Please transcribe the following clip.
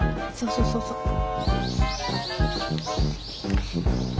そうそうそうそう。